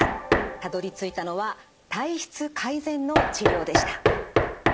たどりついたのは体質改善の治療でした。